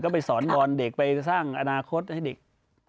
ก็ไปสอนบอลเด็กไปสร้างอนาคตให้เด็ก